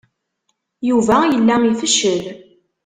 Yuba yella ifeccel.